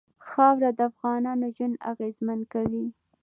خاوره د افغانانو ژوند اغېزمن کوي.